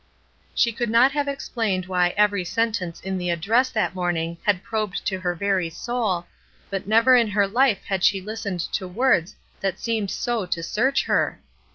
She could not have explained why every sen tence in the address that morning had probed to her very soul, but never in her life had she listened to words that seemed so to search her.